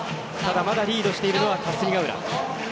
まだリードしているのは、霞ヶ浦。